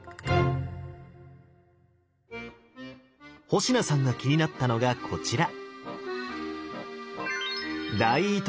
星名さんが気になったのがこちら。